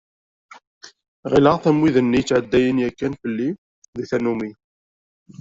Ɣilleɣ-t am wid-nni yettɛeddayen yakan fell-i di tannumi.